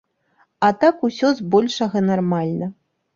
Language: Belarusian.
А так усё збольшага нармальна.